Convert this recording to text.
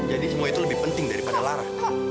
jadi semua itu lebih penting daripada lara